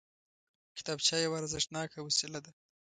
کتابچه یوه ارزښتناکه وسیله ده